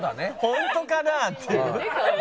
ホントかな？っていう。